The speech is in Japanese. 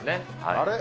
あれ？